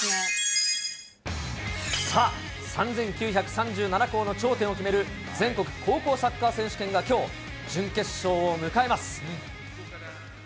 さあ、３９３７校の頂点を決める、全国高校サッカー選手権がきょう、準決勝を迎えます。